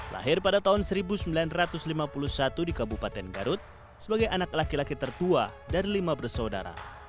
lahir pada tahun seribu sembilan ratus lima puluh satu di kabupaten garut sebagai anak laki laki tertua dari lima bersaudara